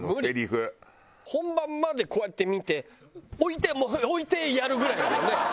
本番までこうやって見て置いてもう置いてやるぐらいだもんね。